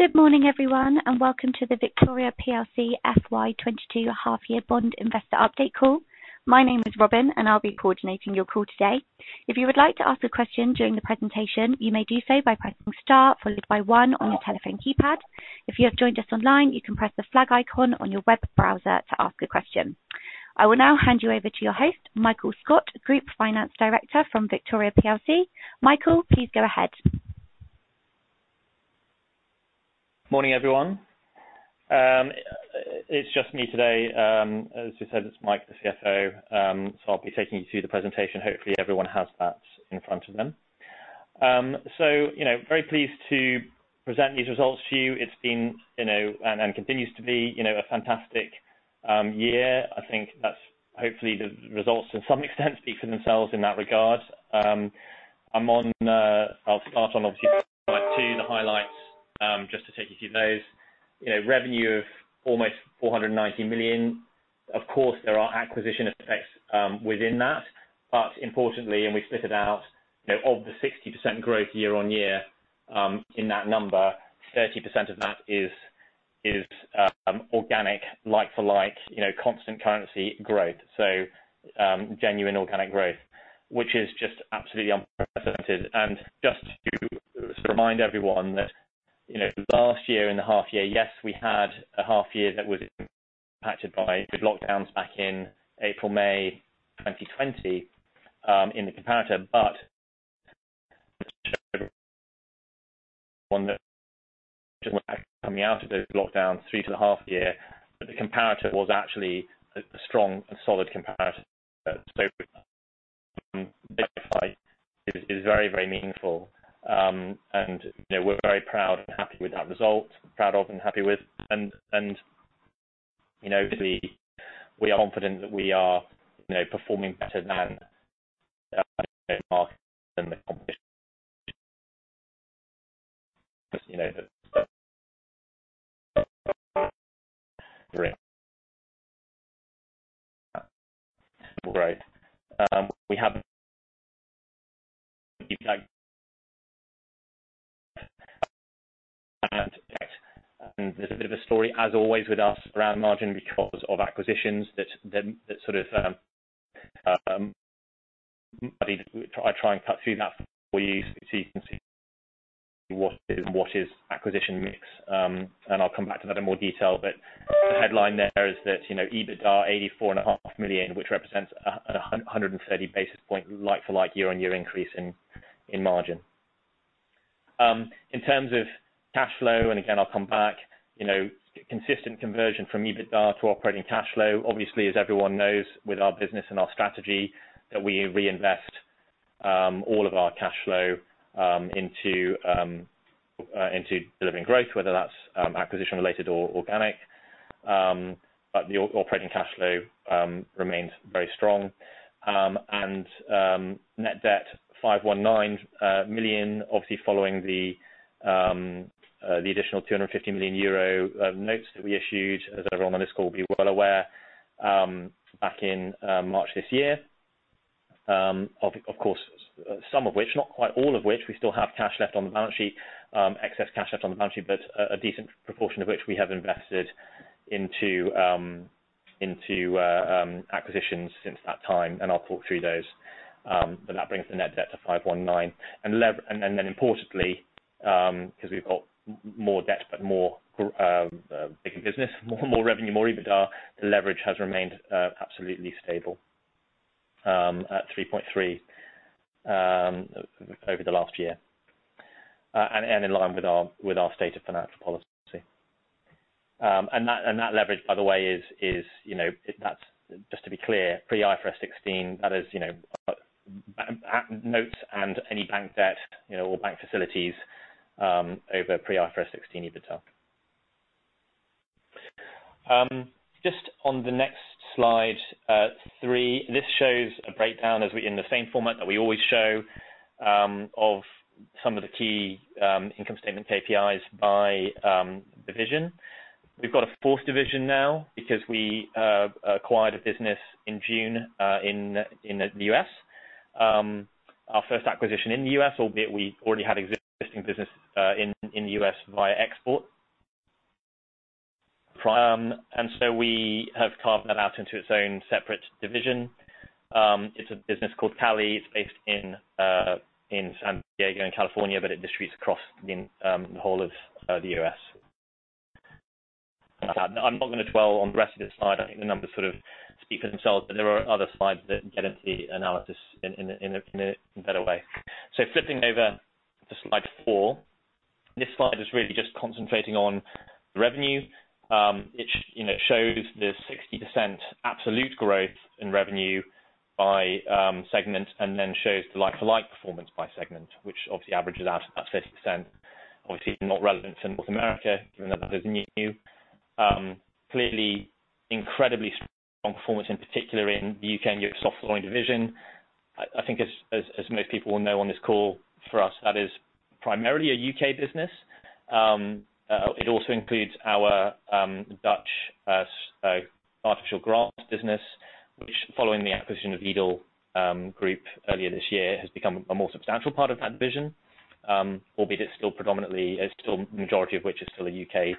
Good morning, everyone, and welcome to the Victoria PLC FY 2022 half year bond investor update call. My name is Robin, and I'll be coordinating your call today. If you would like to ask a question during the presentation, you may do so by pressing star followed by one on your telephone keypad. If you have joined us online, you can press the flag icon on your web browser to ask a question. I will now hand you over to your host, Michael Scott, Group Finance Director from Victoria PLC. Michael, please go ahead. Morning, everyone. It's just me today. As you said, it's Mike, the CFO. So I'll be taking you through the presentation. Hopefully, everyone has that in front of them. So, you know, very pleased to present these results to you. It's been, you know, and continues to be, you know, a fantastic year. I think that's hopefully the results to some extent speak for themselves in that regard. I'll start on obviously slide two, the highlights, just to take you through those. You know, revenue of almost 490 million. Of course, there are acquisition effects within that. But importantly, and we split it out, you know, of the 60% growth year-on-year, in that number, 30% of that is organic, like for like, you know, constant currency growth. Genuine organic growth, which is just absolutely unprecedented. Just to sort of remind everyone that, you know, last year in the half year, yes, we had a half year that was impacted by the lockdowns back in April, May 2020, in the comparator. The one that, coming out of those lockdowns through to the half year, the comparator was actually a strong and solid comparator. It is very, very meaningful. We're very proud and happy with that result. We are confident that we are, you know, performing better than, you know, the market and the competition. You know, the great. There's a bit of a story, as always, with us around margin because of acquisitions, that sort of, I try and cut through that for you so you can see what is acquisition mix. I'll come back to that in more detail. The headline there is that, you know, EBITDA 84.5 million, which represents a 130 basis point like-for-like year-on-year increase in margin. In terms of cash flow, again, I'll come back, you know, consistent conversion from EBITDA to operating cash flow. Obviously, as everyone knows with our business and our strategy, that we reinvest all of our cash flow into delivering growth, whether that's acquisition related or organic. The operating cash flow remains very strong. Net debt, 519 million, obviously, following the additional 250 million euro notes that we issued, as everyone on this call will be well aware, back in March this year. Of course, some of which, not quite all of which, we still have cash left on the balance sheet, excess cash left on the balance sheet, but a decent proportion of which we have invested into acquisitions since that time, and I'll talk through those. That brings the net debt to 519. Then importantly, because we've got more debt but more, bigger business, more revenue, more EBITDA, the leverage has remained absolutely stable at 3.3 over the last year. In line with our stated financial policy. That leverage, by the way, is, you know, that's just to be clear, pre-IFRS 16. That is, you know, at notes and any bank debt, you know, or bank facilities, over pre-IFRS 16 EBITDA. Just on the next slide three, this shows a breakdown in the same format that we always show, of some of the key income statement KPIs by division. We've got a fourth division now because we acquired a business in June in the U.S. Our first acquisition in the U.S., albeit we already had existing business in the U.S. via export. We have carved that out into its own separate division. It's a business called Cali. It's based in San Diego, in California, but it distributes across the whole of the U.S. I'm not gonna dwell on the rest of this slide. I think the numbers sort of speak for themselves, but there are other slides that get into the analysis in a better way. Flipping over to slide four. This slide is really just concentrating on revenue. You know, it shows the 60% absolute growth in revenue by segment, and then shows the like-for-like performance by segment, which obviously averages out at 30%. Obviously, not relevant in North America, given that that is new. Clearly incredibly strong performance, in particular in the U.K. and European softline division. I think as most people will know on this call for us, that is primarily a U.K. business. It also includes our Dutch artificial grass business, which following the acquisition of Edel Group earlier this year, has become a more substantial part of that division. Albeit it's still predominantly. It's still majority of which is still a U.K.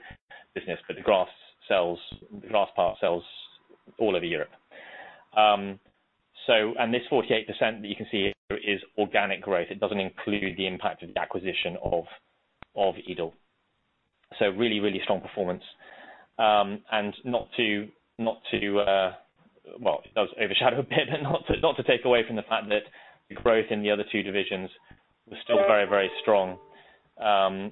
business. The grass part sells all over Europe. This 48% that you can see here is organic growth. It doesn't include the impact of the acquisition of Edel. Really strong performance. Not to overshadow a bit but not to take away from the fact that the growth in the other two divisions was still very strong.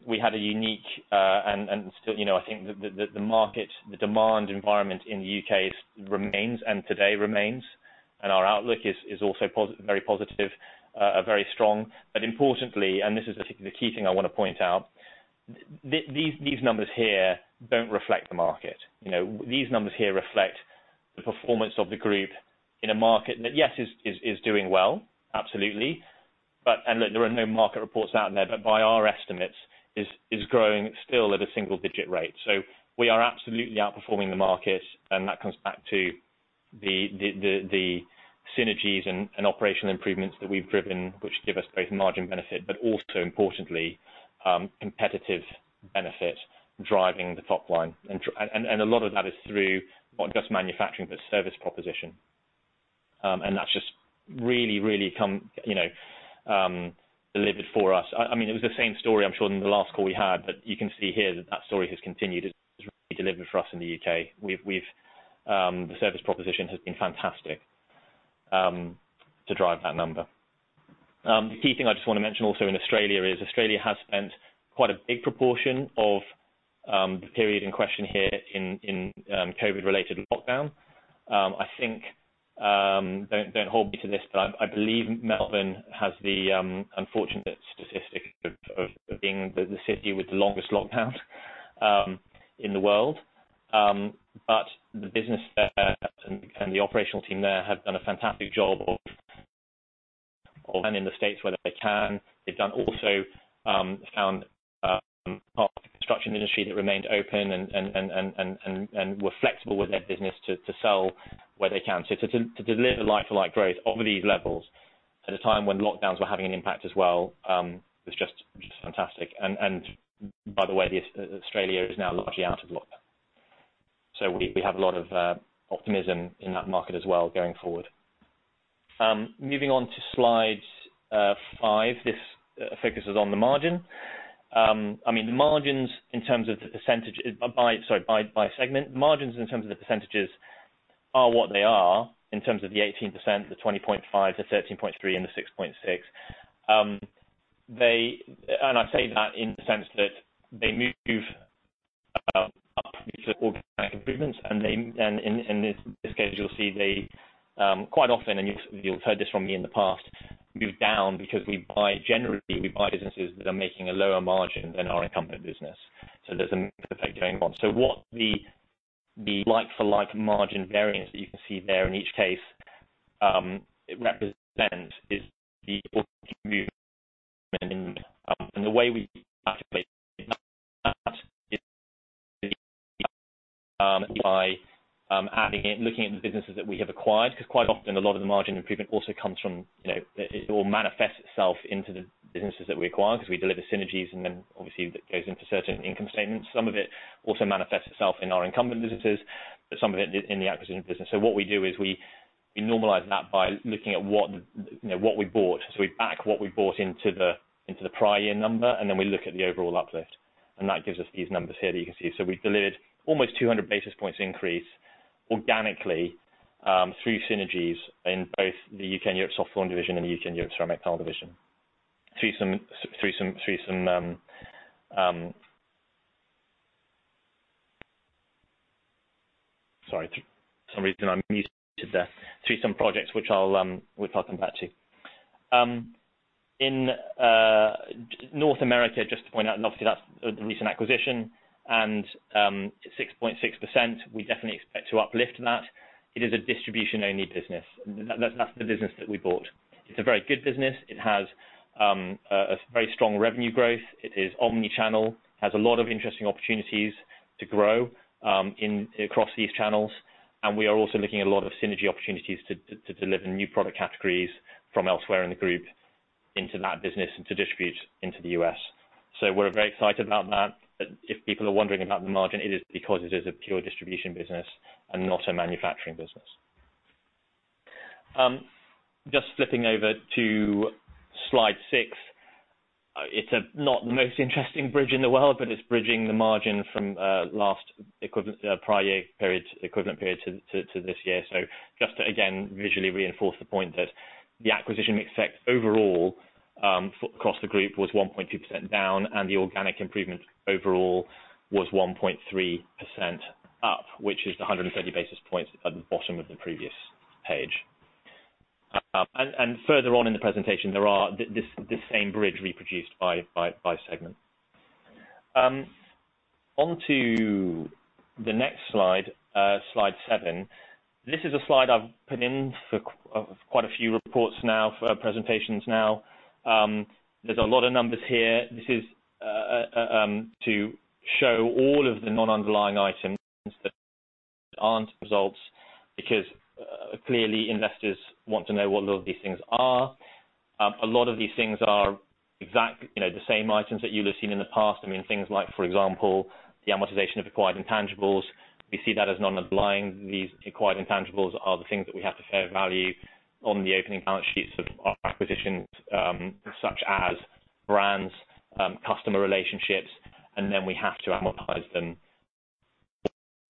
We had a unique and still, you know, I think the market, the demand environment in the UK remains and today remains, and our outlook is also very positive, very strong. Importantly, this is the key thing I wanna point out, these numbers here don't reflect the market. You know, these numbers here reflect the performance of the group in a market that, yes, is doing well, absolutely, but. There are no market reports out there, but by our estimates, is growing still at a single digit rate. We are absolutely outperforming the market, and that comes back to the synergies and operational improvements that we've driven, which give us both margin benefit, but also importantly, competitive benefit driving the top line. A lot of that is through not just manufacturing, but service proposition. That's just really come, you know, delivered for us. I mean, it was the same story, I'm sure, in the last call we had, but you can see here that story has continued. It's really delivered for us in the U.K. The service proposition has been fantastic to drive that number. The key thing I just wanna mention also in Australia is Australia has spent quite a big proportion of the period in question here in COVID-related lockdown. I think, don't hold me to this, but I believe Melbourne has the unfortunate statistic of being the city with the longest lockdown in the world. The business there and the operational team there have done a fantastic job of planning the sales where they can. They've also found parts of the construction industry that remained open and were flexible with their business to sell where they can. To deliver like-for-like growth over these levels at a time when lockdowns were having an impact as well was just fantastic. By the way, Australia is now largely out of lockdown. We have a lot of optimism in that market as well going forward. Moving on to slide five. This focuses on the margin. I mean, the margins in terms of the percentage by segment. Margins in terms of the percentages are what they are in terms of the 18%, the 20.5%, the 13.3% and the 6.6%. I say that in the sense that they move up because of organic improvements, and in this case, you'll see they quite often, and you'll have heard this from me in the past, move down because generally, we buy businesses that are making a lower margin than our incumbent business. There's an effect going on. What the like-for-like margin variance that you can see there in each case, it represents is the organic movement in... The way we activate that is by adding it, looking at the businesses that we have acquired, 'cause quite often a lot of the margin improvement also comes from, you know, it will manifest itself into the businesses that we acquire 'cause we deliver synergies and then, obviously, that goes into certain income statements. Some of it also manifests itself in our incumbent businesses, but some of it in the acquisition business. What we do is we normalize that by looking at what, you know, what we bought. We back what we bought into the prior year number, and then we look at the overall uplift, and that gives us these numbers here that you can see. We delivered almost 200 basis points increase organically through synergies in both the U.K. and Europe Soft Floor Division and the U.K. and Europe Ceramic Tile Division. Through some projects which I'll come back to. In North America, just to point out, and obviously that's a recent acquisition, and 6.6%, we definitely expect to uplift that. It is a distribution-only business. That's the business that we bought. It's a very good business. It has a very strong revenue growth. It is omni-channel. Has a lot of interesting opportunities to grow across these channels, and we are also looking at a lot of synergy opportunities to deliver new product categories from elsewhere in the group into that business and to distribute into the U.S.. We're very excited about that. If people are wondering about the margin, it is because it is a pure distribution business and not a manufacturing business. Just flipping over to slide six. It's not the most interesting bridge in the world, but it's bridging the margin from last equivalent prior year period, equivalent period to this year. Just to again visually reinforce the point that the acquisition mix effect overall across the group was 1.2% down, and the organic improvement overall was 1.3% up, which is the 130 basis points at the bottom of the previous page. And further on in the presentation there are this same bridge reproduced by segment. On to the next slide. Slide seven. This is a slide I've put in for quite a few reports now, for presentations now. There's a lot of numbers here. This is to show all of the non-underlying items that aren't results because clearly investors want to know what a lot of these things are. A lot of these things are exact, you know, the same items that you've seen in the past. I mean, things like, for example, the amortization of acquired intangibles. We see that as non-underlying. These acquired intangibles are the things that we have to fair value on the opening balance sheets of our acquisitions, such as brands, customer relationships, and then we have to amortize them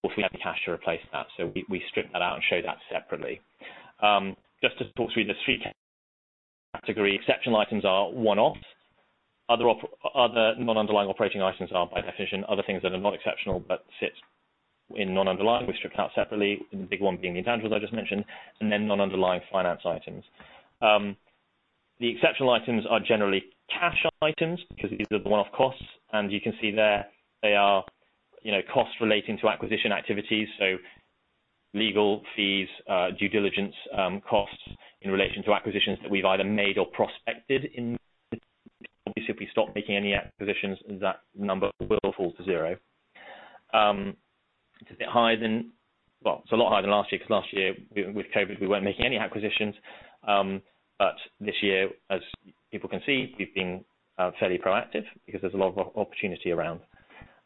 if we have the cash to replace that. We strip that out and show that separately. Just to talk through the three categories. Exceptional items are one-offs. Other non-underlying operating items are, by definition, other things that are not exceptional but sit in non-underlying. We strip out separately, the big one being intangibles I just mentioned, and then non-underlying finance items. The exceptional items are generally cash items because these are the one-off costs, and you can see there, they are, you know, costs relating to acquisition activities, so legal fees, due diligence, costs in relation to acquisitions that we've either made or prospected in. Obviously, if we stop making any acquisitions, that number will fall to zero. It's a lot higher than last year, because last year, with COVID, we weren't making any acquisitions. This year, as people can see, we've been fairly proactive because there's a lot of opportunity around.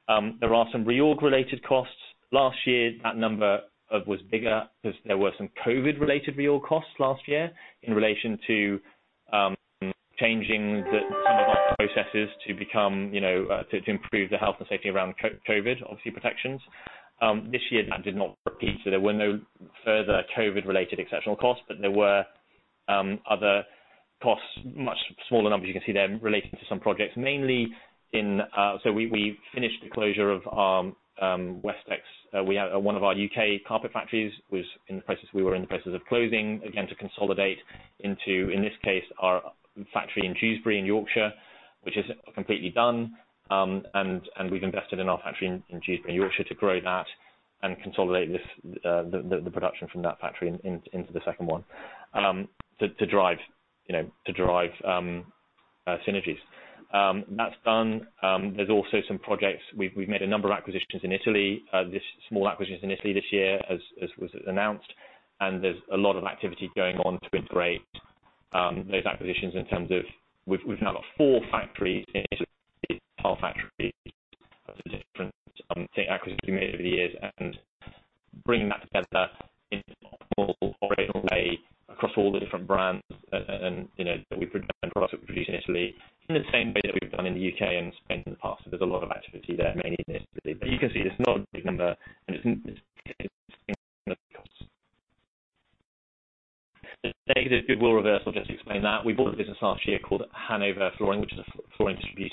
There are some reorg related costs. Last year, that number was bigger because there were some COVID-related reorg costs last year in relation to changing some of our processes to become, you know, to improve the health and safety around COVID, obviously, protections. This year, that did not repeat. There were no further COVID-related exceptional costs, but there were other costs, much smaller numbers. You can see them relating to some projects. We finished the closure of our Westex. We had one of our U.K. carpet factories in the process of closing, again, to consolidate into, in this case, our factory in Dewsbury in Yorkshire, which is completely done. We've invested in our factory in Dewsbury in Yorkshire to grow that and consolidate the production from that factory into the second one to drive, you know, synergies. That's done. There's also some projects. We've made a number of acquisitions in Italy. These small acquisitions in Italy this year, as was announced, and there's a lot of activity going on to integrate those acquisitions in terms of we've now got four factories in Italy, tile factories of the different acquisitions we made over the years and bringing that together in an optimal operational way across all the different brands and, you know, products that we produce in Italy in the same way that we've done in the U.K. and Spain in the past. There's a lot of activity there, mainly in Italy. You can see it's not a big number and it's GBP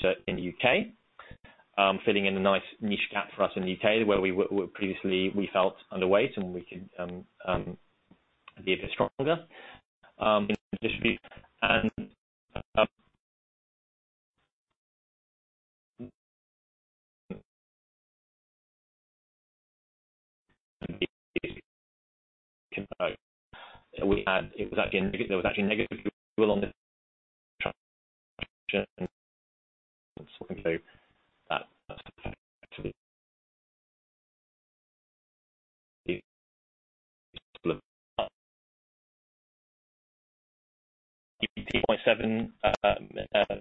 4.7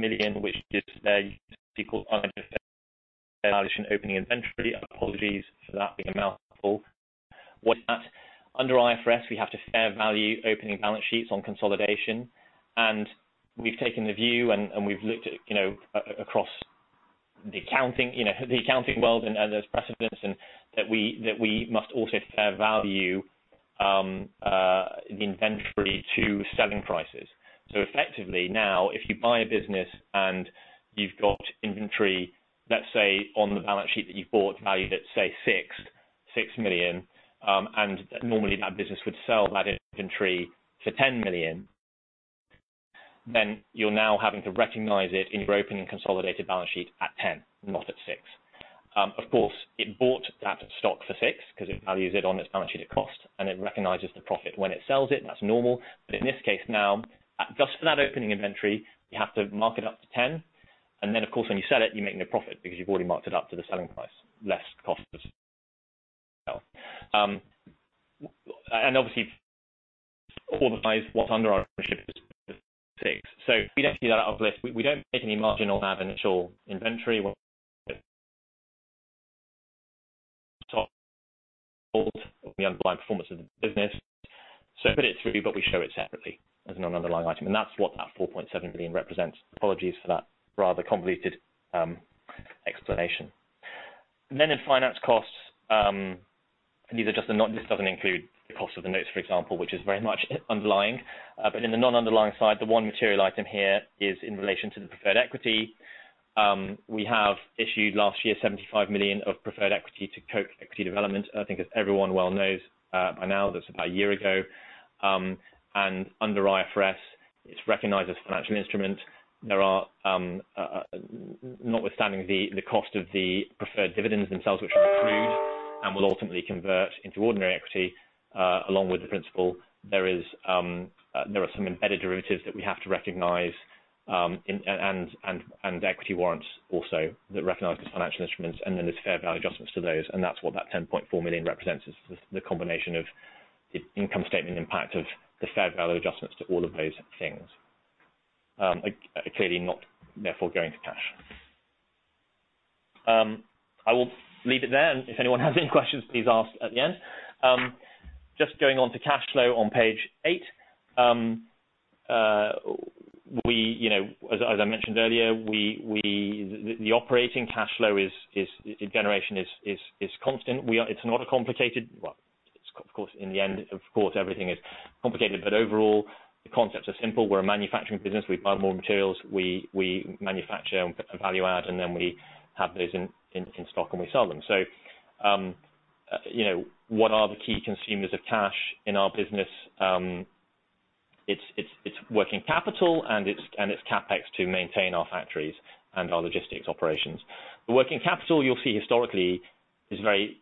million, which is equal. Then in finance costs, these are just the. This doesn't include the cost of the notes, for example, which is very much underlying. In the non-underlying side, the one material item here is in relation to the preferred equity. We have issued last year 75 million of preferred equity to Koch Equity Development. I think as everyone well knows, by now, that's about a year ago. Under IFRS, it's recognized as financial instrument. There are, notwithstanding the cost of the preferred dividends themselves, which are accrued and will ultimately convert into ordinary equity, along with the principal. There are some embedded derivatives that we have to recognize, and equity warrants also that recognize as financial instruments, and then there's fair value adjustments to those, and that's what that 10.4 million represents, the combination of the income statement impact of the fair value adjustments to all of those things. Clearly not therefore going to cash. I will leave it there, and if anyone has any questions, please ask at the end. Just going on to cash flow on page eight. You know, as I mentioned earlier, the operating cash flow generation is constant. It's not a complicated. Well, of course, in the end, of course, everything is complicated, but overall, the concepts are simple. We're a manufacturing business. We buy more materials. We manufacture and put value add, and then we have those in stock and we sell them. You know, what are the key consumers of cash in our business? It's working capital, and it's CapEx to maintain our factories and our logistics operations. The working capital, you'll see historically is very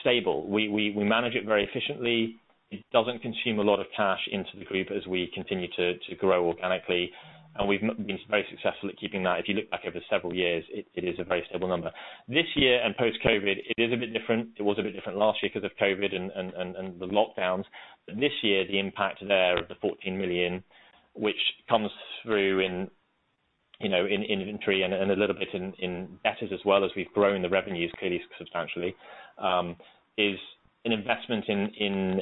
stable. We manage it very efficiently. It doesn't consume a lot of cash into the group as we continue to grow organically, and we've been very successful at keeping that. If you look back over several years, it is a very stable number. This year and post-COVID, it is a bit different. It was a bit different last year because of COVID and the lockdowns. This year, the impact there of the 14 million, which comes through in, you know, in inventory and a little bit in debtors as well as we've grown the revenues clearly substantially, is an investment in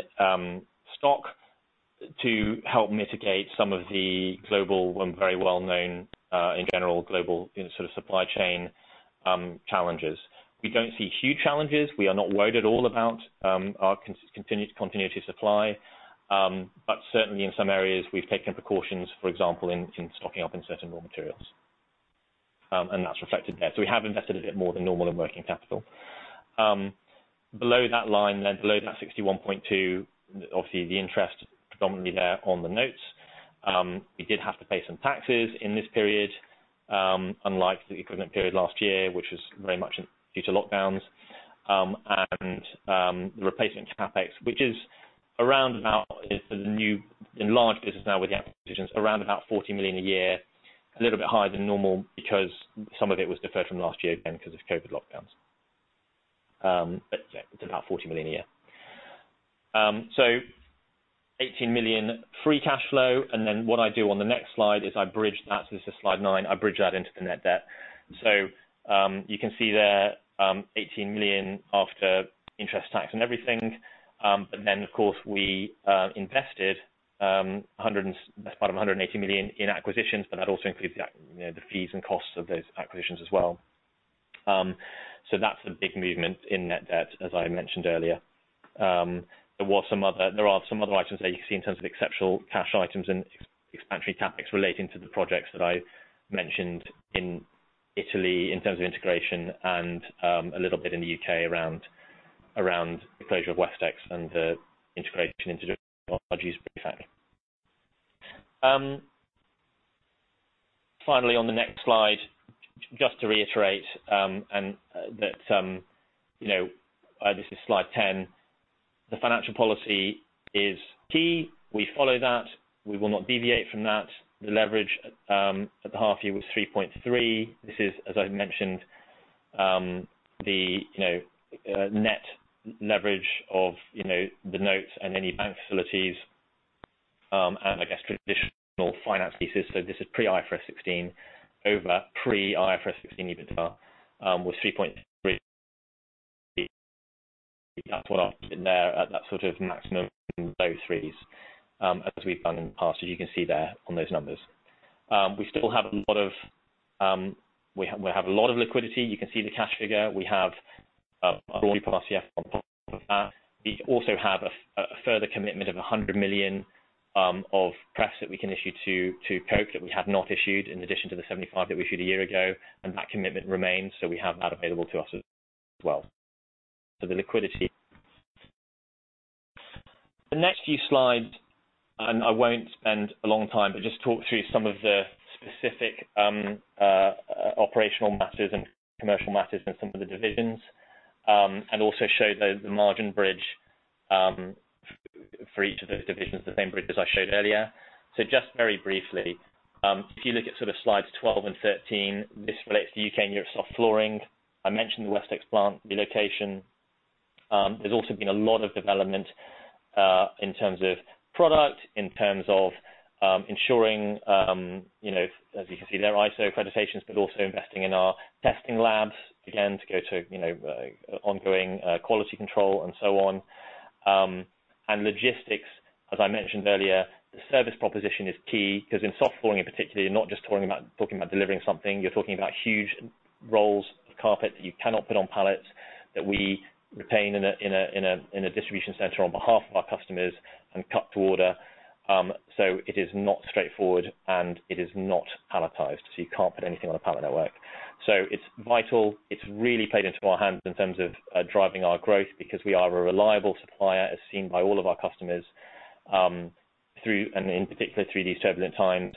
stock to help mitigate some of the global and very well-known in general global sort of supply chain challenges. We don't see huge challenges. We are not worried at all about our continuity of supply. But certainly in some areas, we've taken precautions, for example, in stocking up in certain raw materials, and that's reflected there. We have invested a bit more than normal in working capital. Below that line, below that 61.2, obviously, the interest predominantly there on the notes, we did have to pay some taxes in this period, unlike the equivalent period last year, which was very much due to lockdowns, and the replacement CapEx, which is around about the new enlarged business now with the acquisitions, around about 40 million a year, a little bit higher than normal because some of it was deferred from last year again because of COVID lockdowns. Yeah, it's about 40 million a year. 18 million free cash flow, and then what I do on the next slide is I bridge that. This is slide 9. I bridge that into the net debt. You can see there, 18 million after interest, tax and everything. Of course, we invested best part of 180 million in acquisitions, but that also includes the, you know, the fees and costs of those acquisitions as well. That's the big movement in net debt, as I mentioned earlier. There are some other items there you can see in terms of exceptional cash items and expansionary CapEx relating to the projects that I mentioned in Italy in terms of integration and a little bit in the U.K. around the closure of Westex and the integration into different technologies for that. Finally, on the next slide, just to reiterate that, you know, this is slide 10. The financial policy is key. We follow that. We will not deviate from that. The leverage at the half year was 3.3. This is, as I mentioned, you know, net leverage of, you know, the notes and any bank facilities, and I guess traditional finance leases. This is pre IFRS 16 over pre IFRS 16 EBITDA was 3.3. That's what I've seen there at that sort of maximum low threes, as we've done in the past, as you can see there on those numbers. We still have a lot of liquidity. You can see the cash figure. We have a broad RCF on top of that. We also have a further commitment of 100 million of prefs that we can issue to Koch that we have not issued in addition to the 75 that we issued a year ago. That commitment remains, so we have that available to us as well. The liquidity. The next few slides, and I won't spend a long time, but just talk through some of the specific operational matters and commercial matters in some of the divisions, and also show the margin bridge for each of those divisions, the same bridge as I showed earlier. Just very briefly, if you look at sort of slides 12 and 13, this reflects the U.K. and Europe soft flooring. I mentioned the Westex plant relocation. There's also been a lot of development in terms of product, in terms of ensuring, you know, as you can see there, ISO accreditations, but also investing in our testing labs, again, to go to, you know, ongoing quality control and so on. Logistics, as I mentioned earlier, the service proposition is key because in soft flooring in particular, you're not just talking about delivering something. You're talking about huge rolls of carpet that you cannot put on pallets that we retain in a distribution center on behalf of our customers and cut to order. It is not straightforward, and it is not palletized, so you can't put anything on a pallet network. It's vital. It's really played into our hands in terms of driving our growth because we are a reliable supplier, as seen by all of our customers, through, and in particular through these turbulent times.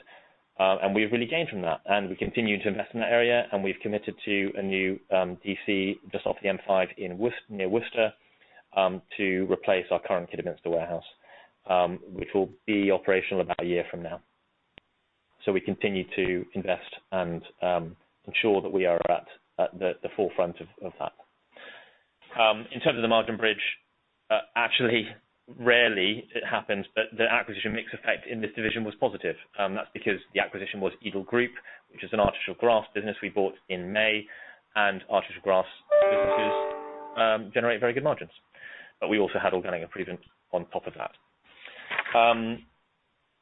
We've really gained from that. We continue to invest in that area, and we've committed to a new DC just off the M5 near Worcester, to replace our current Kidderminster warehouse, which will be operational about a year from now. We continue to invest and ensure that we are at the forefront of that. In terms of the margin bridge, actually, rarely it happens, but the acquisition mix effect in this division was positive. That's because the acquisition was Edel Group, which is an artificial grass business we bought in May. Artificial grass businesses generate very good margins. We also had organic improvement on top of that.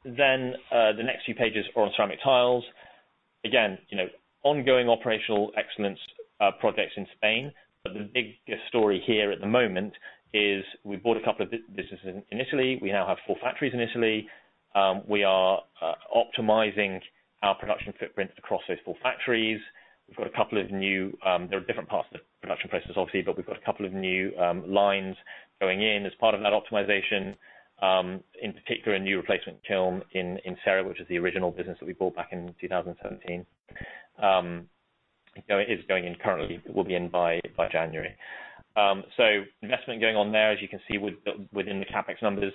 The next few pages are on ceramic tiles. Again, you know, ongoing operational excellence projects in Spain. The biggest story here at the moment is we bought a couple of businesses in Italy. We now have four factories in Italy. We are optimizing our production footprint across those four factories. There are different parts of the production process, obviously, but we've got a couple of new lines going in as part of that optimization. In particular, a new replacement kiln in Serra, which is the original business that we bought back in 2017. You know, it is going in currently. It will be in by January. So investment going on there, as you can see within the CapEx numbers.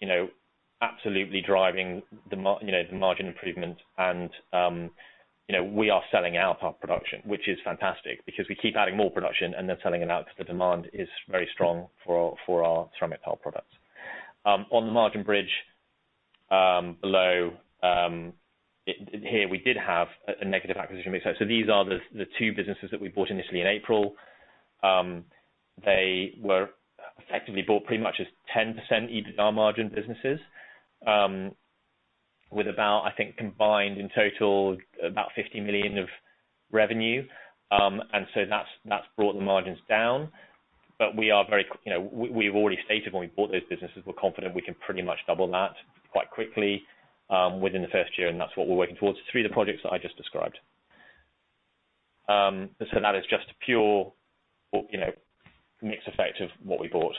You know, absolutely driving the margin improvement and, you know, we are selling out our production. Which is fantastic because we keep adding more production and then selling it out because the demand is very strong for our ceramic tile products. On the margin bridge below here, we did have a negative acquisition mix. These are the two businesses that we bought initially in April. They were effectively bought pretty much as 10% EBITDA margin businesses with about, I think, combined in total about 50 million of revenue. That's brought the margins down. We are very confident. You know, we have already stated when we bought those businesses, we're confident we can pretty much double that quite quickly within the first year, and that's what we're working towards through the projects that I just described. That is just pure, you know, mix effect of what we bought.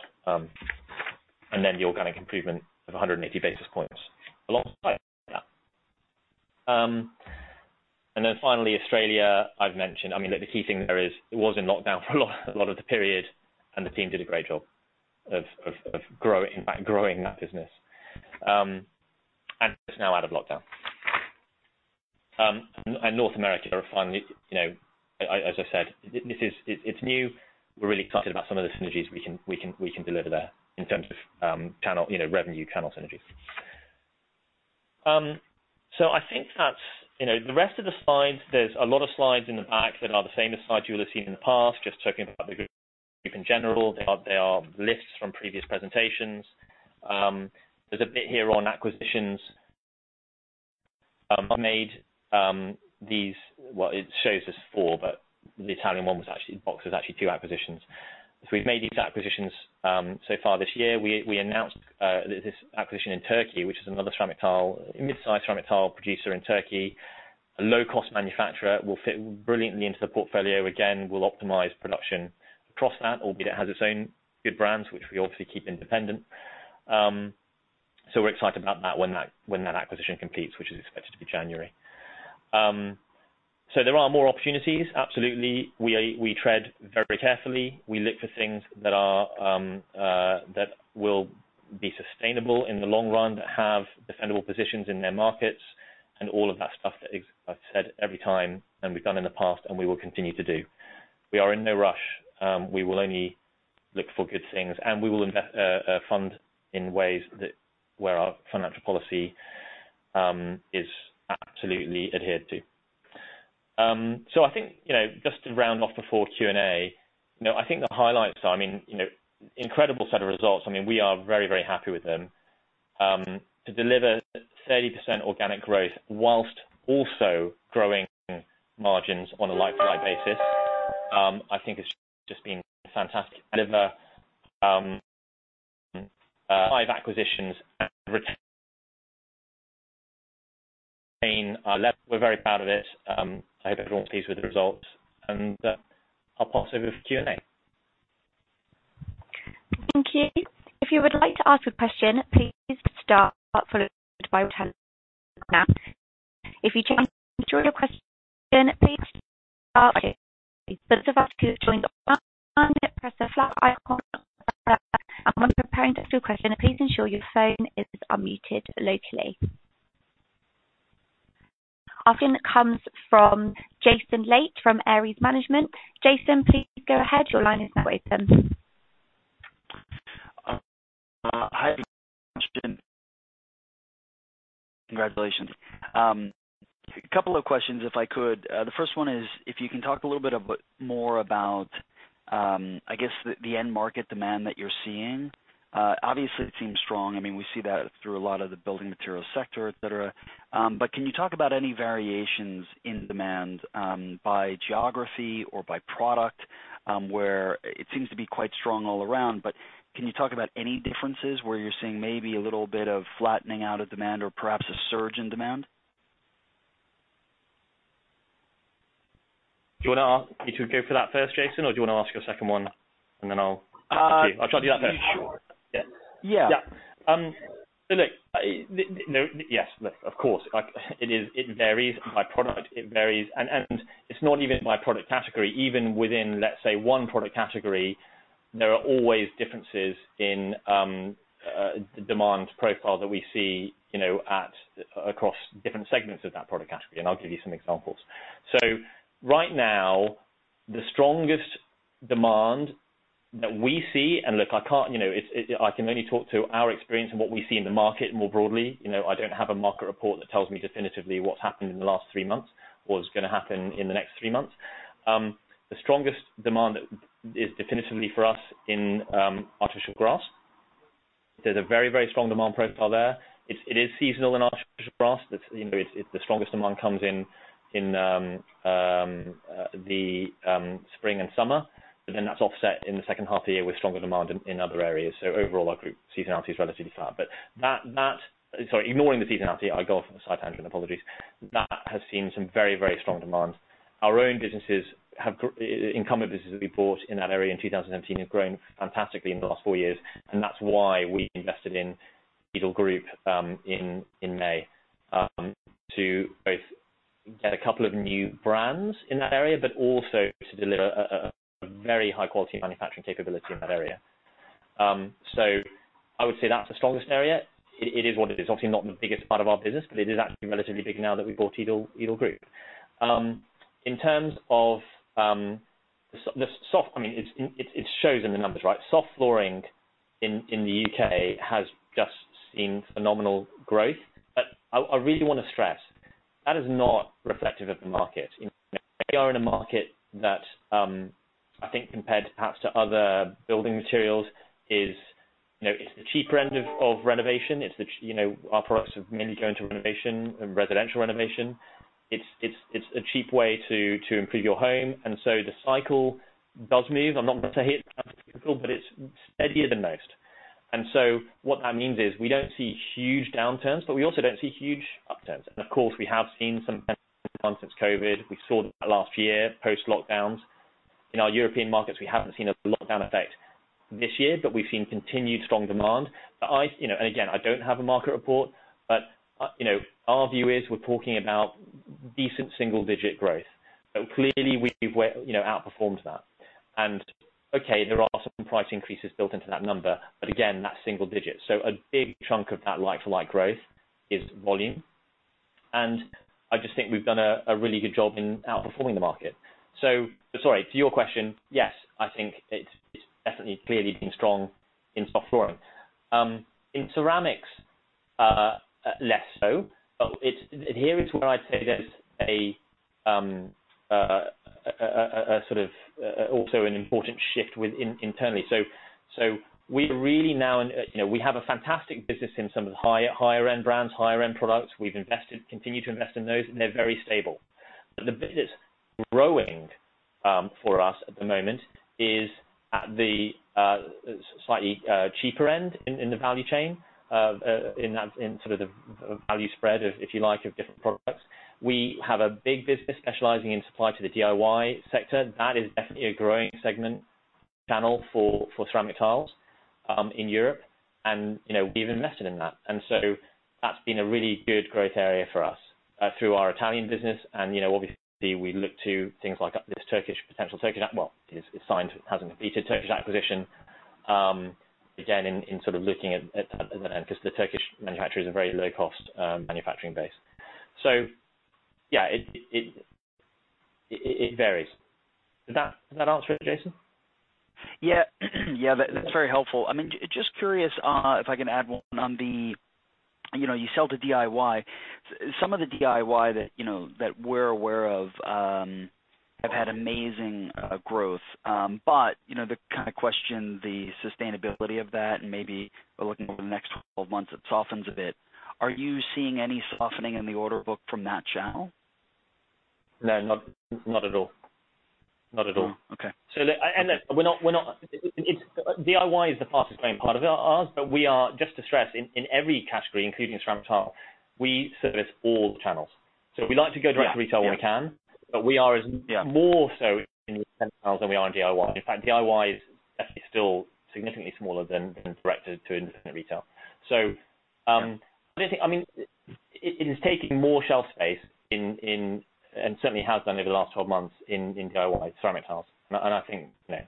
The organic improvement of 100 basis points alongside that. Finally, Australia, I've mentioned. I mean, the key thing there is it was in lockdown for a lot of the period, and the team did a great job of growing, in fact, growing that business. It's now out of lockdown. North America, finally, you know, as I said, this is, it's new. We're really excited about some of the synergies we can deliver there in terms of channel, you know, revenue channel synergies. I think that's, you know. The rest of the slides, there's a lot of slides in the back that are the same as slides you will have seen in the past, just talking about the group in general. They are lists from previous presentations. There's a bit here on acquisitions. Well, it shows there's four, but the Italian one was actually two acquisitions. We've made these acquisitions so far this year. We announced this acquisition in Turkey, which is another ceramic tile, a mid-sized ceramic tile producer in Turkey. A low-cost manufacturer. It will fit brilliantly into the portfolio. Again, we'll optimize production across that, albeit it has its own good brands, which we obviously keep independent. We're excited about that when that acquisition completes, which is expected to be January. There are more opportunities, absolutely. We tread very carefully. We look for things that are that will be sustainable in the long run, that have defendable positions in their markets and all of that stuff that I've said every time and we've done in the past and we will continue to do. We are in no rush. We will only look for good things, and we will invest fund in ways that where our financial policy is absolutely adhered to. I think, you know, just to round off before Q&A, you know, I think the highlights are, I mean, you know, incredible set of results. I mean, we are very, very happy with them. To deliver 30% organic growth while also growing margins on a like-for-like basis, I think has just been fantastic. Deliver five acquisitions and retain our level. We're very proud of it. I hope everyone's pleased with the results, and I'll pass over for Q&A. Thank you. If you would like to ask a question, please press star one on your telephone line. If you change or withdraw your question, please press star one. Those of us who have joined online, press the hand icon. When preparing to ask your question, please ensure your phone is unmuted locally. Our first question comes from Jason Lake from Ares Management. Jason, please go ahead. Your line is now open. Hi. Congratulations. A couple of questions, if I could. The first one is if you can talk a little bit more about, I guess the end market demand that you're seeing. Obviously it seems strong. I mean, we see that through a lot of the building materials sector, et cetera. Can you talk about any variations in demand by geography or by product, where it seems to be quite strong all around, but can you talk about any differences where you're seeing maybe a little bit of flattening out of demand or perhaps a surge in demand? Do you wanna ask me to go for that first, Jason, or do you wanna ask your second one and then I'll ask you? I'll do that first. Sure. Yeah. Yeah. Yeah. Look, yes, look, of course, like it is, it varies by product, it varies and it's not even by product category. Even within, let's say, one product category, there are always differences in the demand profile that we see, you know, at, across different segments of that product category, and I'll give you some examples. Right now, the strongest demand that we see and look, I can't, you know, I can only talk to our experience and what we see in the market more broadly. You know, I don't have a market report that tells me definitively what's happened in the last three months, what's gonna happen in the next three months. The strongest demand is definitively for us in artificial grass. There's a very, very strong demand profile there. It is seasonal in artificial grass. The strongest demand comes in the spring and summer. That's offset in the second half of the year with stronger demand in other areas. Overall, our group seasonality is relatively flat. Sorry, ignoring the seasonality, I go off on the side tangent, apologies. That has seen some very strong demand. Incumbent businesses we bought in that area in 2017 have grown fantastically in the last four years, and that's why we invested in Edel Group in May to both get a couple of new brands in that area, but also to deliver a very high quality manufacturing capability in that area. I would say that's the strongest area. It is what it is, obviously not the biggest part of our business, but it is actually relatively big now that we bought Edel Group. In terms of, I mean, it shows in the numbers, right? Soft flooring in the U.K. has just seen phenomenal growth. I really wanna stress that is not reflective of the market. You know, we are in a market that I think compared perhaps to other building materials is, you know, it's the cheaper end of renovation. You know, our products are mainly going to renovation and residential renovation. It's a cheap way to improve your home, and so the cycle does move. I'm not gonna hit but it's steadier than most. What that means is we don't see huge downturns, but we also don't see huge upturns. Of course, we have seen some since COVID. We saw that last year, post-lockdowns. In our European markets, we haven't seen a lockdown effect this year, but we've seen continued strong demand. You know, and again, I don't have a market report, but you know, our view is we're talking about decent single-digit growth. Clearly we've, you know, outperformed that. Okay, there are some price increases built into that number, but again, that's single digits. A big chunk of that like-for-like growth is volume. I just think we've done a really good job in outperforming the market. Sorry, to your question, yes, I think it's definitely clearly been strong in soft flooring. In ceramics, less so. Here is where I'd say there's a sort of also an important shift with internally. We really now, you know, we have a fantastic business in some of the higher end brands, higher end products. We've invested, continue to invest in those, and they're very stable. The business growing for us at the moment is at the slightly cheaper end in the value chain, in that, in sort of the value spread, if you like, of different products. We have a big business specializing in supply to the DIY sector. That is definitely a growing segment channel for ceramic tiles in Europe, and, you know, we've invested in that. That's been a really good growth area for us through our Italian business. You know, obviously, we look to things like this Turkish acquisition. It's signed, hasn't completed. Again, in sort of looking at that because the Turkish manufacturer is a very low cost manufacturing base. Yeah, it varies. Does that answer it, Jason? Yeah. Yeah, that's very helpful. I mean, just curious, if I can add one on the. You know, you sell to DIY. Some of the DIY that, you know, that we're aware of, have had amazing growth. You know, the kind of question the sustainability of that, and maybe we're looking over the next 12 months, it softens a bit. Are you seeing any softening in the order book from that channel? No, not at all. Okay. Look, we're not. DIY is the fastest growing part of ours, but we are just to stress in every category, including ceramic tile, we service all the channels. Yeah. We like to go direct to retail when we can. Yeah. more so in retail than we are in DIY. In fact, DIY is actually still significantly smaller than direct to independent retail. Yeah. I mean, it is taking more shelf space in and certainly has done over the last 12 months in DIY ceramic tiles. I think, you know,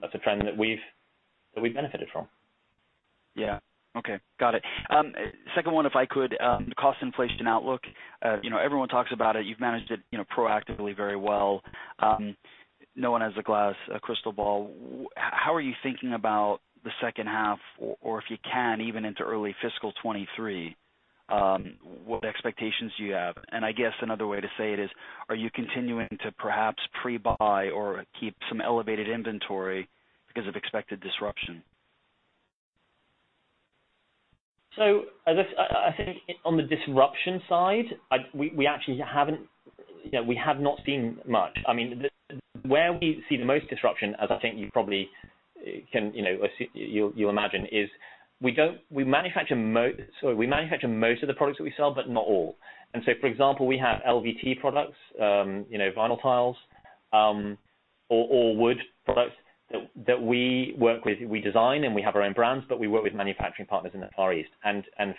that's a trend that we've benefited from. Yeah. Okay. Got it. Second one, if I could, the cost inflation outlook, you know, everyone talks about it. You've managed it, you know, proactively very well. No one has a glass, a crystal ball. How are you thinking about the second half or, if you can, even into early fiscal 2023, what expectations do you have? I guess another way to say it is, are you continuing to perhaps pre-buy or keep some elevated inventory because of expected disruption? I think on the disruption side, we actually haven't seen much, you know. I mean, where we see the most disruption, as I think you probably can, you know, as you'll imagine, is we manufacture most of the products that we sell, but not all. For example, we have LVT products, you know, vinyl tiles, or wood products that we work with. We design, and we have our own brands, but we work with manufacturing partners in the Far East.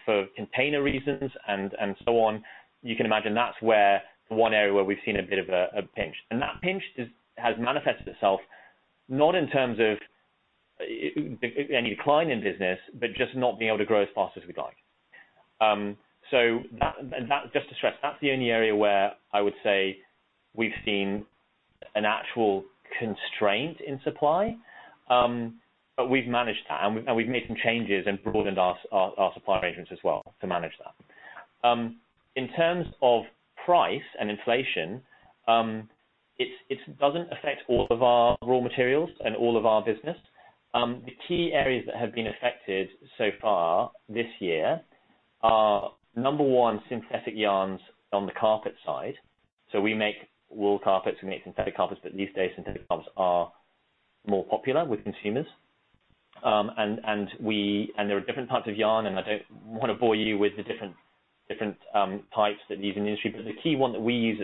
For container reasons and so on, you can imagine that's where one area where we've seen a bit of a pinch. That pinch has manifested itself not in terms of any decline in business, but just not being able to grow as fast as we'd like. That, just to stress, that's the only area where I would say we've seen an actual constraint in supply. But we've managed that, and we've made some changes and broadened our supplier agents as well to manage that. In terms of price and inflation, it doesn't affect all of our raw materials and all of our business. The key areas that have been affected so far this year are, number one, synthetic yarns on the carpet side. We make wool carpets, we make synthetic carpets, but these days, synthetic carpets are more popular with consumers. There are different types of yarn, and I don't wanna bore you with the different types that are used in the industry, but the key one that we use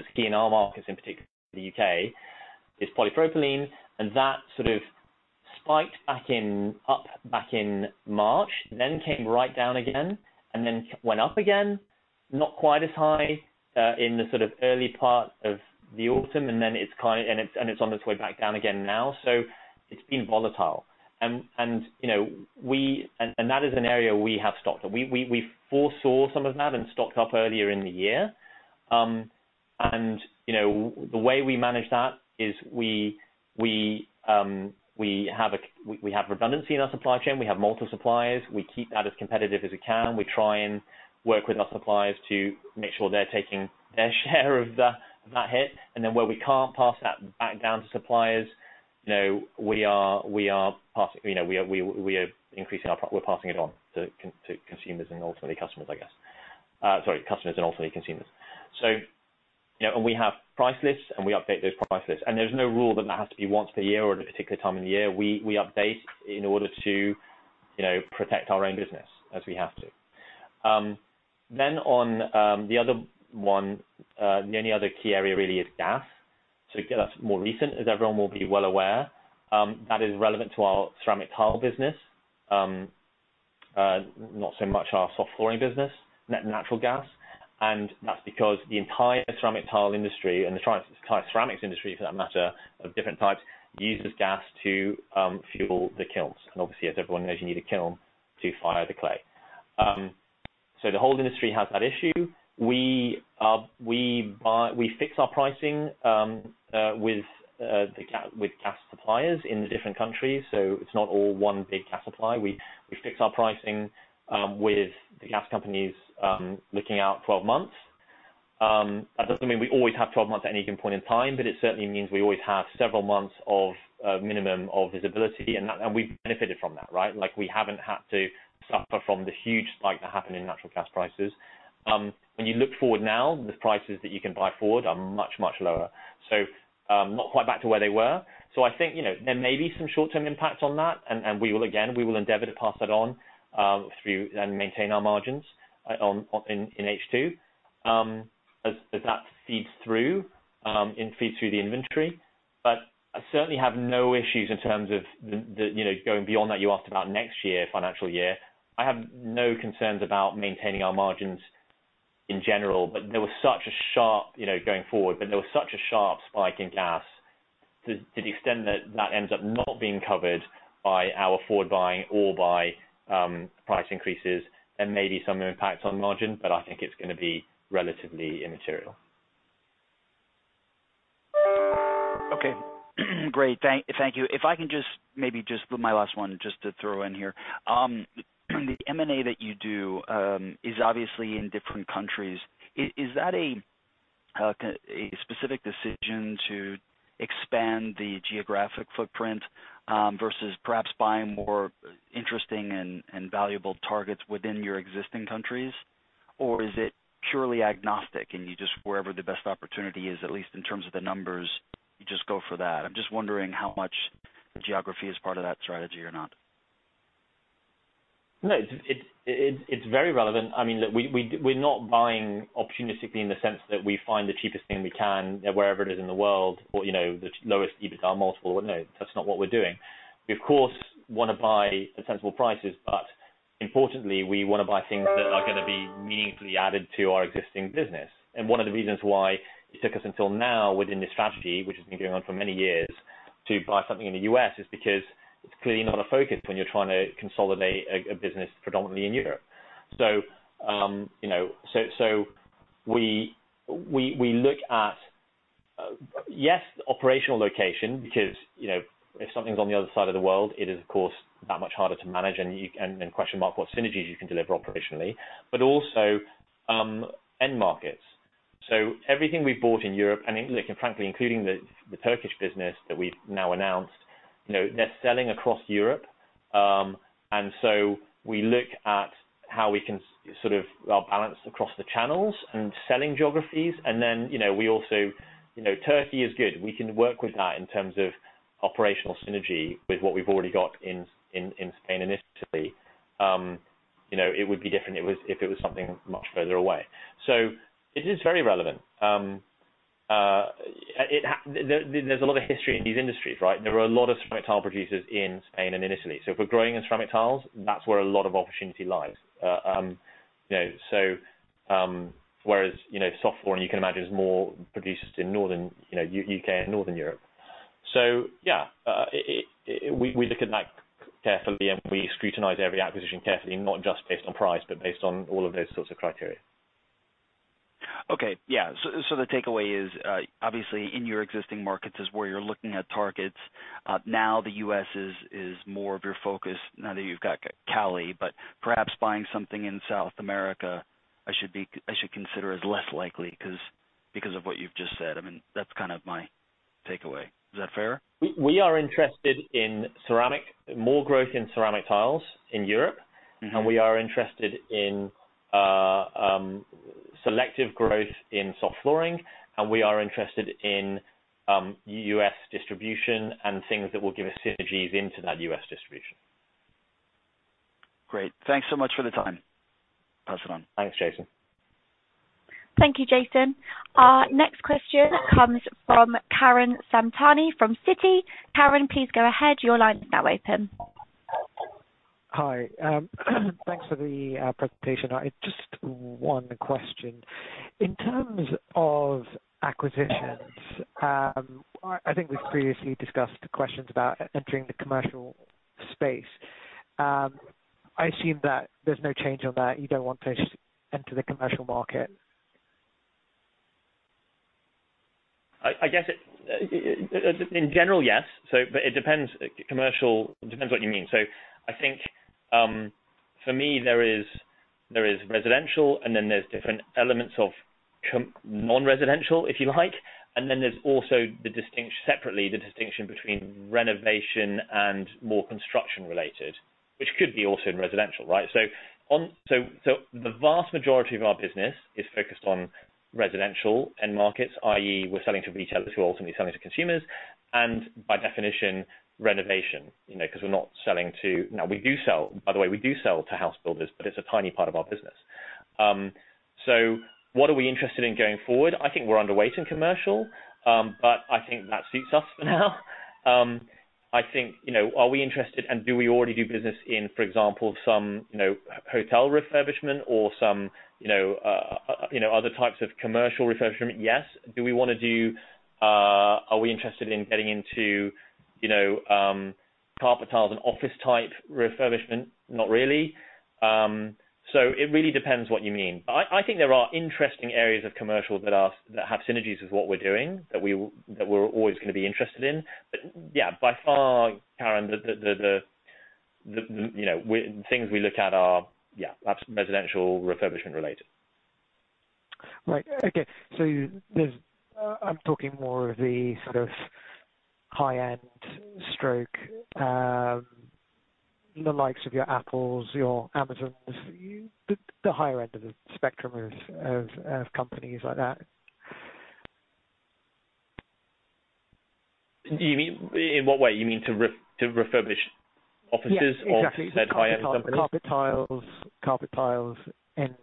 at Okay. Great. Thank you. If I can just, maybe just for my last one, just to throw in here. The M&A that you do is obviously in different countries. Is that a specific decision to expand the geographic footprint versus perhaps buying more interesting and valuable targets within your existing countries? Or is it purely agnostic, and you just, wherever the best opportunity is, at least in terms of the numbers, you just go for that? I'm just wondering how much geography is part of that strategy or not. No, it's very relevant. I mean, look, we're not buying opportunistically in the sense that we find the cheapest thing we can wherever it is in the world, or, you know, the lowest EBITDA multiple. No, that's not what we're doing. We, of course, wanna buy at sensible prices, but importantly, we wanna buy things that are gonna be meaningfully added to our existing business. One of the reasons why it took us until now within this strategy, which has been going on for many years, to buy something in the U.S., is because it's clearly not a focus when you're trying to consolidate a business predominantly in Europe. We look at, yes, operational location because, you know, if something's on the other side of the world, it is of course that much harder to manage and then question of what synergies you can deliver operationally. Also, end markets. Everything we've bought in Europe, including, frankly, the Turkish business that we've now announced, you know, they're selling across Europe, and so we look at how we can sort of are balanced across the channels and selling geographies. You know, we also, you know, Turkey is good. We can work with that in terms of operational synergy with what we've already got in Spain and Italy. You know, it would be different if it was something much further away. It is very relevant. There's a lot of history in these industries, right? There are a lot of ceramic tile producers in Spain and Italy. If we're growing in ceramic tiles, that's where a lot of opportunity lies. You know, whereas, you know, soft flooring, you can imagine there's more producers in northern, you know, U.K. and Northern Europe. Yeah, we look at that carefully, and we scrutinize every acquisition carefully, not just based on price, but based on all of those sorts of criteria. Okay. Yeah. The takeaway is, obviously in your existing markets is where you're looking at targets. Now the U.S. is more of your focus now that you've got Cali, but perhaps buying something in South America I should consider as less likely because of what you've just said. I mean, that's kind of my takeaway. Is that fair? We are interested in ceramic, more growth in ceramic tiles in Europe. Mm-hmm. We are interested in selective growth in soft flooring and U.S. distribution and things that will give us synergies into that U.S. distribution. Great. Thanks so much for the time. Pass it on. Thanks, Jason. Thank you, Jason. Our next question comes from Karan Santani from Citi. Karan, please go ahead. Your line is now open. Hi. Thanks for the presentation. I just have one question. In terms of acquisitions, I think we've previously discussed the questions about entering the commercial space. I assume that there's no change on that. You don't want to enter the commercial market. I guess, in general, yes. It depends. Commercial depends on what you mean. I think for me, there is residential, and then there's different elements of non-residential, if you like. There's also separately the distinction between renovation and more construction-related, which could also be in residential, right? The vast majority of our business is focused on residential end markets, i.e., we're selling to retailers who are ultimately selling to consumers, and by definition, renovation, you know, 'cause we're not selling to house builders. We do sell, by the way, to house builders, but it's a tiny part of our business. What are we interested in going forward? I think we're underweight in commercial, but I think that suits us for now. I think, you know, are we interested and do we already do business in, for example, some, you know, hotel refurbishment or some, you know, other types of commercial refurbishment? Yes. Do we wanna do, are we interested in getting into, you know, carpet tiles and office type refurbishment? Not really. It really depends what you mean. I think there are interesting areas of commercial that have synergies with what we're doing that we're always gonna be interested in. Yeah, by far, Karan, the, you know, things we look at are, yeah, perhaps residential refurbishment related. Right. Okay. I'm talking more of the sort of high-end stock, the likes of your Apple, your Amazon, the higher end of the spectrum of companies like that. You mean in what way? You mean to refurbish offices? Yeah, exactly. Of said high-end companies? Carpet tiles in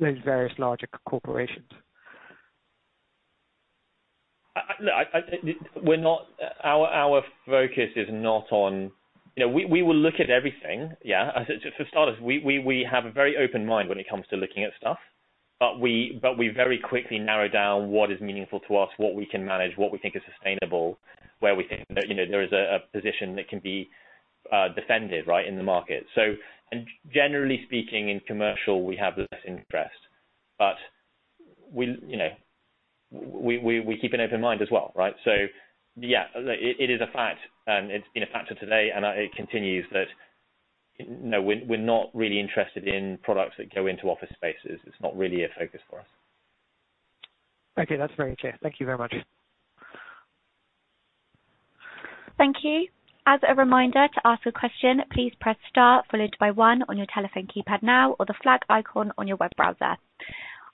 those various larger corporations. Look, our focus is not on. You know, we will look at everything, yeah. As for starters, we have a very open mind when it comes to looking at stuff. We very quickly narrow down what is meaningful to us, what we can manage, what we think is sustainable, where we think that, you know, there is a position that can be defended, right, in the market. Generally speaking, in commercial, we have less interest. You know, we keep an open mind as well, right? Yeah, it is a fact, and it's been a factor today, and it continues that, you know, we're not really interested in products that go into office spaces. It's not really a focus for us. Okay. That's very clear. Thank you very much. Thank you. As a reminder, to ask a question, please press star followed by one on your telephone keypad now or the flag icon on your web browser.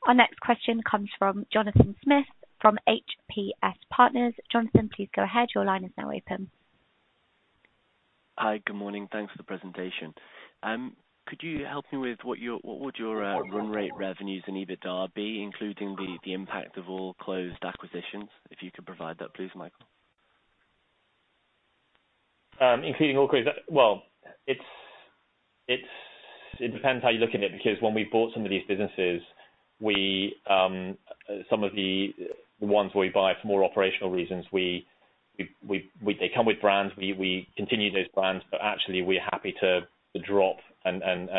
Our next question comes from Jonathon Smith from HPS Investment Partners. Jonathon please go ahead. Your line is now open. Hi. Good morning. Thanks for the presentation. Could you help me with what would your run rate revenues and EBITDA be, including the impact of all closed acquisitions? If you could provide that, please, Michael. Well, it depends how you look at it, because when we bought some of these businesses, some of the ones we buy for more operational reasons, they come with brands, we continue those brands, but actually we're happy to drop and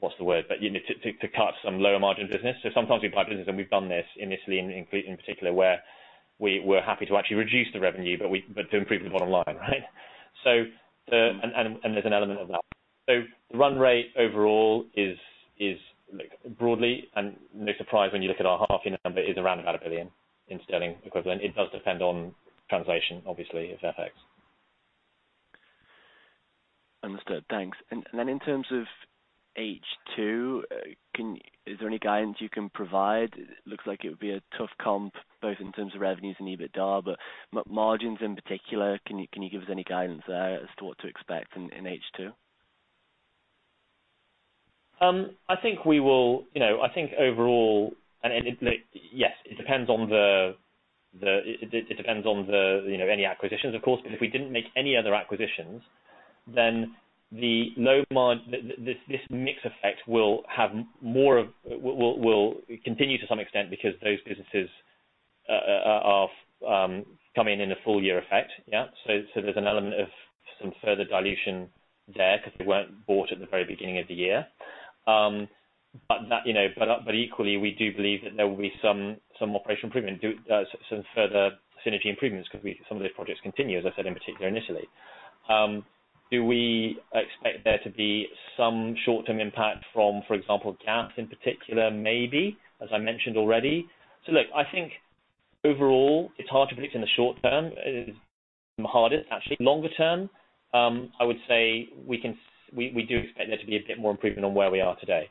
what's the word? You need to cut some lower margin business. Sometimes we buy businesses, and we've done this in Italy in particular, where we were happy to actually reduce the revenue, but to improve the bottom line, right? And there's an element of that. The run rate overall is broadly, and no surprise when you look at our half year number around about 1 billion in sterling equivalent. It does depend on translation, obviously, of FX. Understood. Thanks. In terms of H2, is there any guidance you can provide? It looks like it would be a tough comp both in terms of revenues and EBITDA, but margins in particular. Can you give us any guidance there as to what to expect in H2? I think we will. You know, I think overall, yes. It depends on the, you know, any acquisitions, of course. If we didn't make any other acquisitions then the low margin this mix effect will have more of will continue to some extent because those businesses are coming in a full year effect, yeah. There's an element of some further dilution there because they weren't bought at the very beginning of the year. That, you know, equally, we do believe that there will be some operational improvement, some further synergy improvements because some of those projects continue, as I said, in particular in Italy. Do we expect there to be some short term impact from, for example, gaps in particular? Maybe, as I mentioned already. Look, I think overall it's hard to predict in the short term. It is harder actually longer term. I would say we do expect there to be a bit more improvement on where we are today.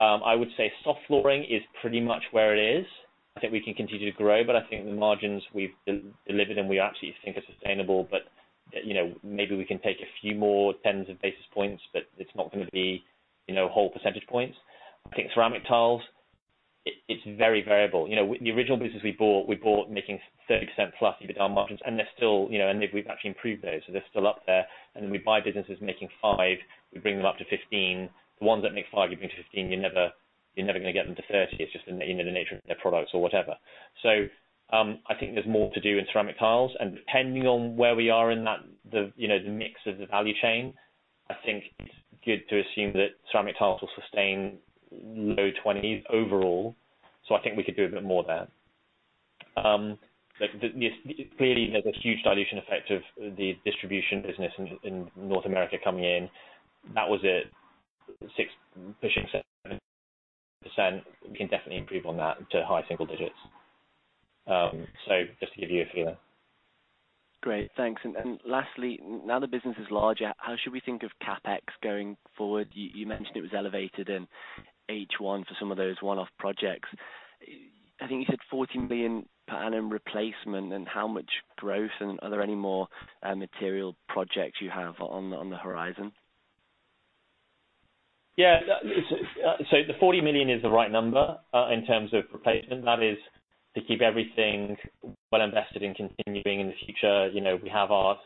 I would say soft flooring is pretty much where it is. I think we can continue to grow, but I think the margins we've delivered and we actually think are sustainable. You know, maybe we can take a few more tens of basis points, but it's not gonna be, you know, whole percentage points. I think ceramic tiles, it's very variable. You know, with the original business we bought, we bought making 30%+ EBITDA margins. They're still, you know, and we've actually improved those. They're still up there. Then we buy businesses making 5%, we bring them up to 15%. The ones that make 5%, you bring to 15%, you're never gonna get them to 30%. It's just, you know, in the nature of their products or whatever. I think there's more to do in ceramic tiles and depending on where we are in that, you know, the mix of the value chain, I think it's good to assume that ceramic tiles will sustain low 20s% overall. I think we could do a bit more there. Like, yes, clearly there's a huge dilution effect of the distribution business in North America coming in. That was at 6%-7%. We can definitely improve on that to high single digits%. Just to give you a feeling. Great. Thanks. Lastly, now the business is larger, how should we think of CapEx going forward? You mentioned it was elevated in H1 for some of those one-off projects. I think you said 40 million per annum replacement. How much growth, and are there any more material projects you have on the horizon? The 40 million is the right number in terms of replacement. That is to keep everything well invested in continuing in the future. We have our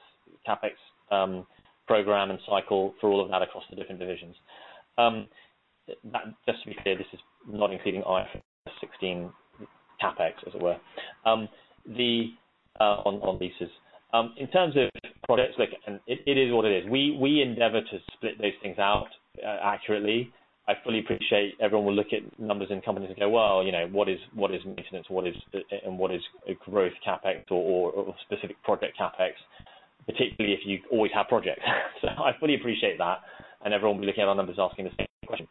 CapEx program and cycle for all of that across the different divisions. That just to be clear, this is not including our IFRS 16 CapEx, as it were, on leases. In terms of products, look and it is what it is. We endeavor to split those things out accurately. I fully appreciate everyone will look at numbers in companies and go, "Well, you know, what is maintenance, what is and what is growth CapEx or specific project CapEx, particularly if you always have projects." I fully appreciate that. Everyone will be looking at our numbers asking the same question.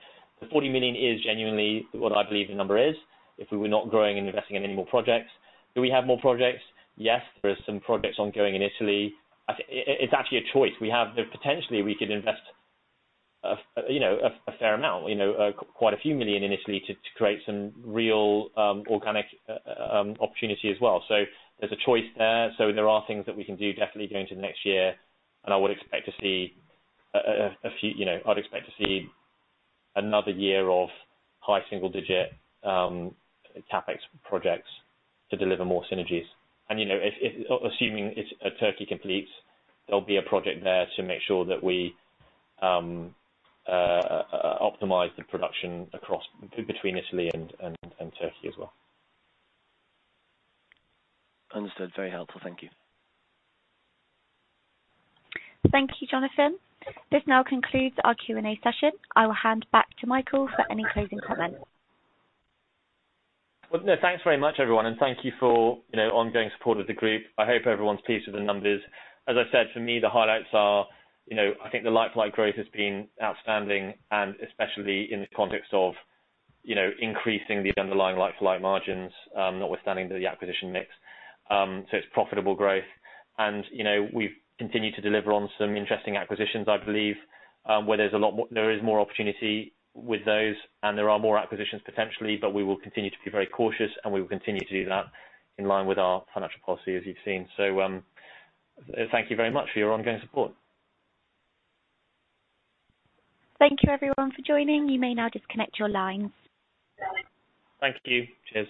40 million is genuinely what I believe the number is. If we were not growing and investing in any more projects. Do we have more projects? Yes, there are some projects ongoing in Italy. I think it's actually a choice. Potentially we could invest, you know, a fair amount, you know, quite a few million in Italy to create some real organic opportunity as well. There's a choice there. There are things that we can do definitely going into next year. I would expect to see a few, you know, I'd expect to see another year of high single-digit CapEx projects to deliver more synergies. You know, if assuming it's Turkey completes, there'll be a project there to make sure that we optimize the production across between Italy and Turkey as well. Understood. Very helpful. Thank you. Thank you, Jonathan. This now concludes our Q&A session. I will hand back to Michael for any closing comments. Well, no, thanks very much everyone, and thank you for, you know, ongoing support of the group. I hope everyone's pleased with the numbers. As I said, for me the highlights are, you know, I think the like-for-like growth has been outstanding and especially in the context of, you know, increasing the underlying like-for-like margins, notwithstanding the acquisition mix. It's profitable growth and you know, we've continued to deliver on some interesting acquisitions I believe, where there is more opportunity with those and there are more acquisitions potentially. We will continue to be very cautious and we will continue to do that in line with our financial policy as you've seen. Thank you very much for your ongoing support. Thank you everyone for joining. You may now disconnect your lines. Thank you. Cheers.